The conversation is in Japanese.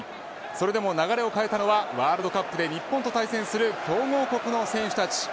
それでも流れを変えたのはワールドカップで日本と対戦する強豪国の選手たち。